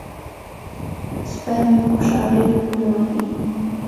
سپی مې په خوشحالۍ ټوپونه وهي.